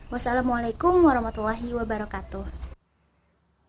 wassalamualaikum warahmatullahi wabarakatuh